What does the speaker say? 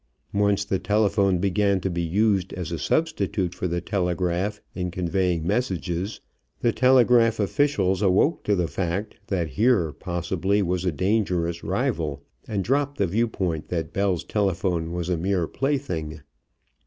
Once the telephone began to be used as a substitute for the telegraph in conveying messages, the telegraph officials awoke to the fact that here, possibly, was a dangerous rival, and dropped the viewpoint that Bell's telephone was a mere plaything.